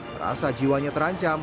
merasa jiwanya terancam